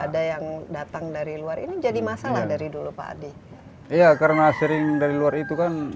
ada yang datang dari luar ini jadi masalah dari dulu pak adi iya karena sering dari luar itu kan